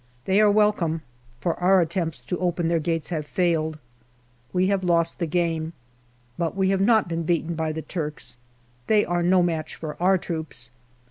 They are welcome, for our attempts to open their gates have failed. We have lost the game, but we have not been beaten by the Turks. They are no match for our troops.